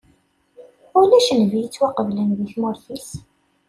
Ulac nnbi yettwaqeblen di tmurt-is.